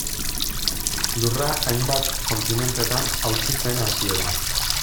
Lurra hainbat kontinentetan hautsi zen hasieran.